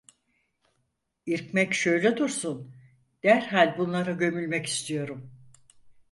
İrkmek şöyle dursun, derhal bunlara gömülmek istiyorum.